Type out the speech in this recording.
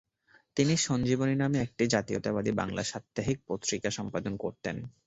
তিনি সঞ্জীবনী নামে একটি জাতীয়তাবাদী বাংলা সাপ্তাহিক পত্রিকা সম্পাদনা করতেন।